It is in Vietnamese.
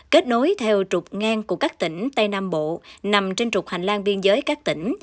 kết nối theo trục ngang của các tỉnh tây nam bộ nằm trên trục hành lang biên giới các tỉnh